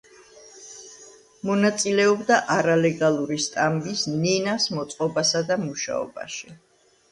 მონაწილეობდა არალეგალური სტამბის „ნინას“ მოწყობასა და მუშაობაში.